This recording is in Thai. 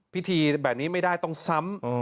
พิธีแบบนี้ไม่ได้ต้องซ้ำ